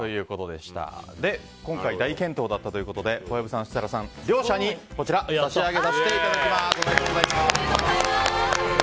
今回大健闘だったということで小籔さん、設楽さん両者にこちらをプレゼントします。